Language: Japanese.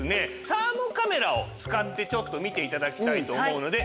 サーモカメラを使って見ていただきたいと思うので。